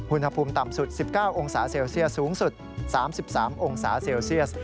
อุณหภูมิต่ำสุด๑๙องศาเซลเซียสสูงสุด๓๓องศาเซลเซียส